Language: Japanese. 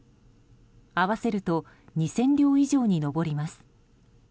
合わせると２０００両以上に上ります。